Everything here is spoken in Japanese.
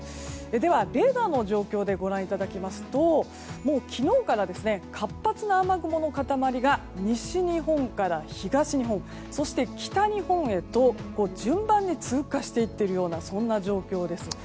では、レーダーの状況でご覧いただきますともう昨日から活発な雨雲の塊が西日本から東日本そして北日本へと順番に通過していっているような状況です。